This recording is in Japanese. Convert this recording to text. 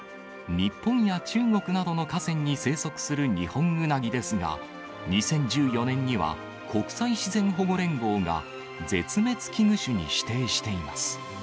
日本や中国などの河川に生息するニホンウナギですが、２０１４年には、国際自然保護連合が絶滅危惧種に指定しています。